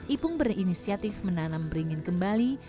ipung berinisiatif menanam beringin kembali